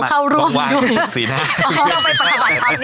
ให้พวกเราเข้าร่วมด้วย